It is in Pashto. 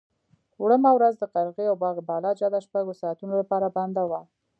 وړمه ورځ د قرغې او باغ بالا جاده شپږو ساعتونو لپاره بنده وه.